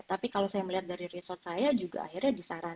tapi kalau saya melihat dari resort saya juga akhirnya disarankan